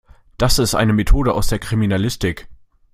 Das ist eine Methode aus der Kriminalistik.